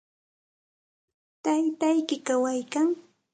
¿Taytayki kawaykan?